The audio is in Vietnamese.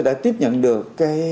đã tiếp nhận được